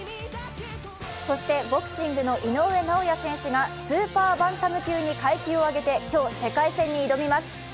ボクシングの井上尚弥選手がスーパーバンダム級に階級を上げて、今日、世界戦に挑みます。